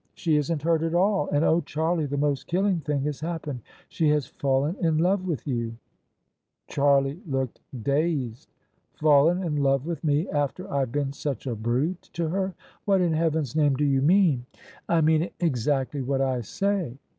" She isn't hurt at all. And, oh ! Charlie, the most killing thing has happened. She has fallen in love with you !" Charlie looked dazed. " Fallen in love with me after IVe been such a brute to her? What in heaven's name do you mean?" I mean exactly what I say."